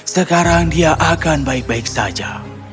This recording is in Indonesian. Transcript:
sekarang dia akan baik baik saja